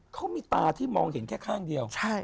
เขามีตาที่มองเห็นแค่ข้างเดียว